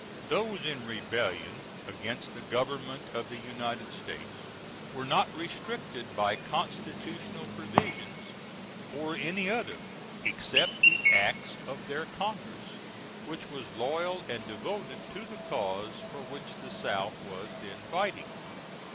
Those in rebellion against the government of the United States were not restricted by constitutional provisions, or any other, except the acts of their Congress, which was loyal and devoted to the cause for which the South was then fighting.